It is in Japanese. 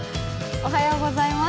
おはようございます。